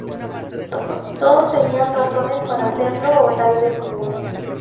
Todos tenían razones para hacerlo o tal vez ninguno.